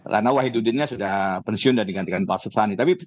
karena wahidudinnya sudah pensiun dan digantikan pak sesani